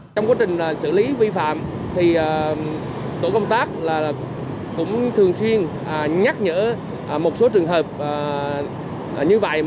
trong quá trình xử lý vi phạm tổ công tác cũng thường xuyên nhắc nhở một số trường hợp như vậy